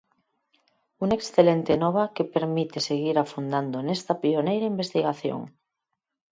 Unha excelente nova que permite seguir afondando nesta pioneira investigación.